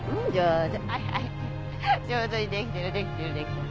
上手にできてるできてるできてる。